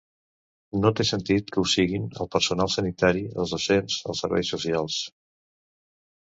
No té sentit que ho siguin el personal sanitari, els docents, els serveis socials.